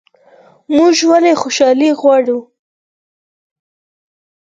موږ ولې خوشحالي غواړو؟